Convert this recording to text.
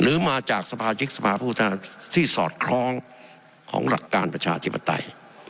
มาจากสมาชิกสภาพผู้แทนที่สอดคล้องของหลักการประชาธิปไตย